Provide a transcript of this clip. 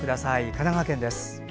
神奈川県です。